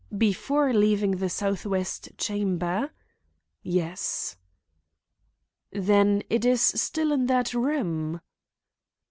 "Before leaving the southwest chamber?" "Yes." "Then it is still in that room?"